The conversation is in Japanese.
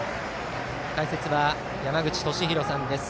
解説は山口敏弘さんです。